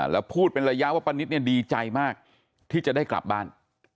แล้วพูดเป็นระยะว่าป้านิตเนี่ยดีใจมากที่จะได้กลับบ้าน